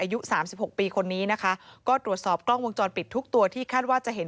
อายุสามสิบหกปีคนนี้นะคะก็ตรวจสอบกล้องวงจรปิดทุกตัวที่คาดว่าจะเห็น